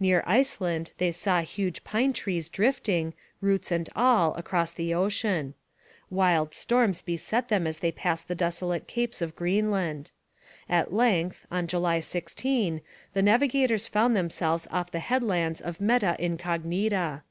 Near Iceland they saw huge pine trees drifting, roots and all, across the ocean. Wild storms beset them as they passed the desolate capes of Greenland. At length, on July 16, the navigators found themselves off the headlands of Meta Incognita.